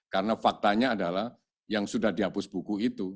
karena faktanya adalah yang sudah dihapus buku itu